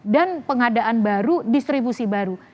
dan pengadaan baru distribusi baru